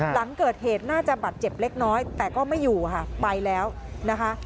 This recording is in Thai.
หลังเกิดเหตุน่าจะบัตรเจ็บเล็กน้อยแต่ก็ไม่อยู่ค่ะไปแล้วนะคะ